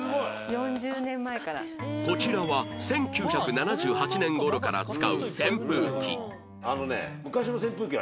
こちらは１９７８年頃から使う扇風機